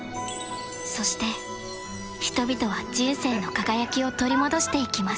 そして人々は人生の輝きを取り戻していきます